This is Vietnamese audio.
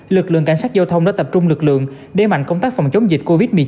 lực lượng cảnh sát giao thông đã tập trung lực lượng để mạnh công tác phòng chống dịch covid một mươi chín